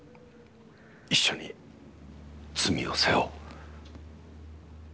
一緒に罪を背負おう。